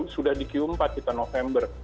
sudah di q empat kita november